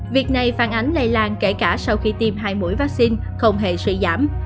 việc này phản ánh lây lan kể cả sau khi tiêm hai mũi vaccine không hề suy giảm